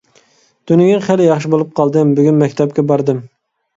تۈنۈگۈن خېلى ياخشى بولۇپ قالدىم، بۈگۈن مەكتەپكە باردىم.